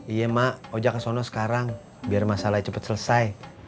iya mak oja ke sana sekarang biar masalahnya cepet selesai